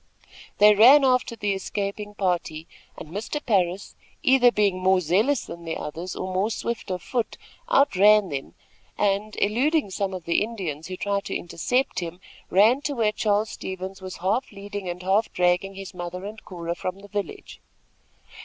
They ran after the escaping party, and Mr. Parris, either being more zealous than the others, or more swift of foot, outran them and, eluding some of the Indians, who tried to intercept him, ran to where Charles Stevens was half leading and half dragging his mother and Cora from the village.